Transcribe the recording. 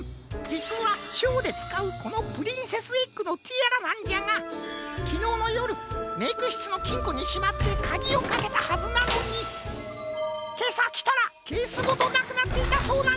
じつはショーでつかうこのプリンセスエッグのティアラなんじゃがきのうのよるメイクしつのきんこにしまってかぎをかけたはずなのにけさきたらケースごとなくなっていたそうなんじゃ。